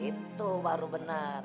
itu baru benar